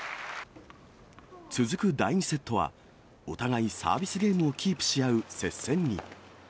続く第２セットは、お互いサービスゲームをキープし合う接戦に。